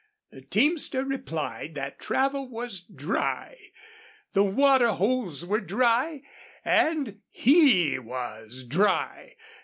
The teamster replied that travel was dry, the water holes were dry, and he was dry.